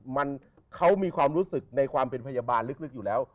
มันเขามีความรู้สึกในความเป็นพยาบาลลึกอยู่แล้ว